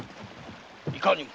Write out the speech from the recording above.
いかにも。